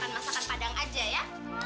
anak anak kalian lupa ya